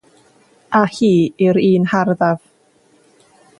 A hi yw'r un harddaf.